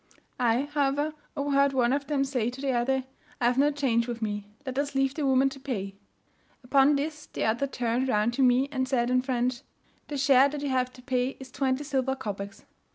I, however, overheard one of them say to the other "I have no change with me, let us leave the woman to pay." Upon this the other turned round to me, and said in French, "The share that you have to pay is twenty silver kopecs."